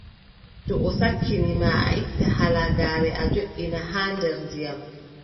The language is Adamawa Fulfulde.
To o sakkini ma, a itta halagaare a joʼina haa nder ndiyam.